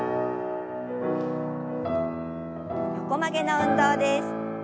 横曲げの運動です。